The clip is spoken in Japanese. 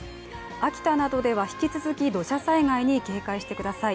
秋田などでは引き続き土砂災害に警戒してください。